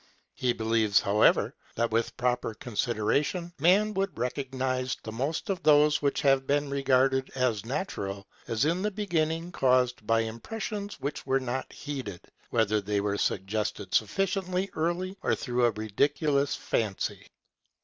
He believes, however, that with proper consideration man would recognize the most of those which have been regarded as natural, as in the beginning caused by impressions which were not heeded, whether they were suggested sufficiently early or through a ridiculous fancy.